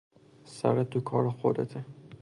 سرت تو کار خودته